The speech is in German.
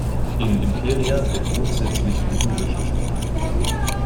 In Imperia wird grundsätzlich ligurisch gesprochen.